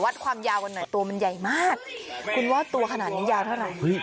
ความยาวกันหน่อยตัวมันใหญ่มากคุณว่าตัวขนาดนี้ยาวเท่าไหร่